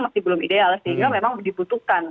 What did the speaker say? masih belum ideal sehingga memang dibutuhkan